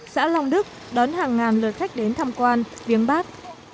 xã long đức đón hàng ngàn lượt khách đến thăm quan viếng bác